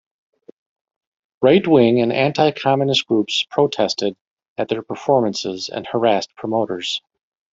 Right-wing and anti-Communist groups protested at their performances and harassed promoters.